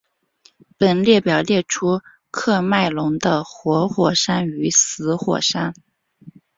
本列表列出喀麦隆的活火山与死火山。